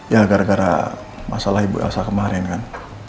ya gara gara masalah ibu elsa kemarin kan